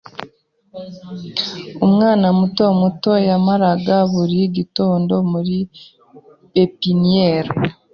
Umwana muto muto yamaraga buri gitondo muri pepiniyeri.